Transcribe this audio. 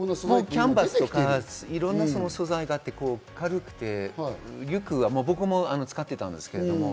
キャンバスとかいろんな素材、軽くてリュックは僕も使ってたんですけど。